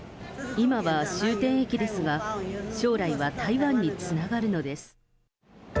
今は終点駅ですが、将来は台湾につながるのです。